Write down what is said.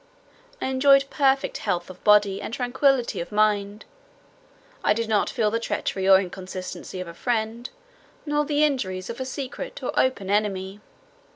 I enjoyed perfect health of body, and tranquillity of mind; I did not feel the treachery or inconstancy of a friend, nor the injuries of a secret or open enemy.